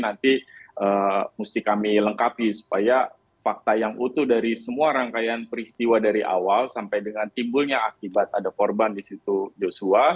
nanti mesti kami lengkapi supaya fakta yang utuh dari semua rangkaian peristiwa dari awal sampai dengan timbulnya akibat ada korban di situ joshua